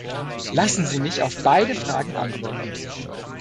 Lassen Sie mich auf beide Fragen antworten.